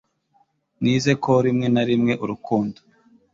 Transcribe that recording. nize ko rimwe na rimwe urukundo